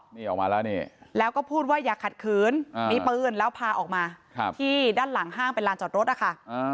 นี่ออกมาแล้วนี่แล้วก็พูดว่าอย่าขัดขืนมีปืนแล้วพาออกมาที่ด้านหลังห้างเป็นลานจอดรถนะคะ